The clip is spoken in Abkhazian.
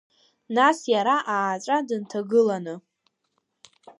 Нас иара ааҵәа дынҭагыланы.